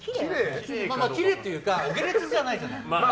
きれいっていうかお下劣じゃないじゃない。